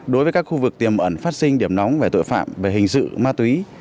đối với các khu vực tiềm ẩn phát sinh điểm nóng về tội phạm về hình sự ma túy